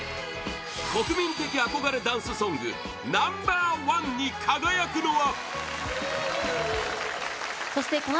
国民的憧れダンスソングナンバー１に輝くのは？